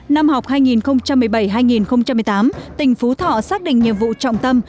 năm học hai nghìn một mươi bảy hai nghìn một mươi tám tỉnh phú thọ xác định nhiệm vụ trọng tâm